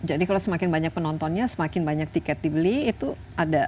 jadi kalau semakin banyak penontonnya semakin banyak tiket dibeli itu ada